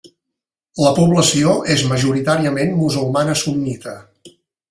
La població és majoritàriament musulmana sunnita.